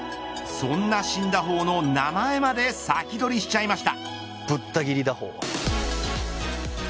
そんな新打法の名前まで先取りしちゃいました。